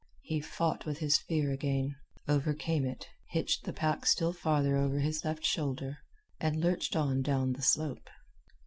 He fought with his fear again, overcame it, hitched the pack still farther over on his left shoulder, and lurched on down the slope.